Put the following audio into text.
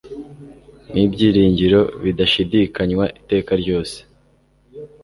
n'ibyiringiro bidashidikanywa iteka ryose'."